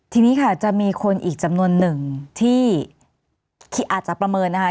ทีนี้ค่ะจะมีคนอีกจำนวนหนึ่งที่อาจจะประเมินนะคะ